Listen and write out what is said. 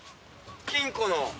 金庫の。